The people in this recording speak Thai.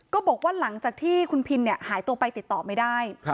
ก็บอกว่าหลังจากที่คุณพินหายตัวไปติดต่อไม่ได้